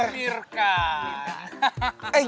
pak amir kan